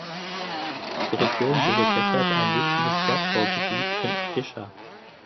Die Region bildet deshalb ein wichtiges Bergbaugebiet in Odisha.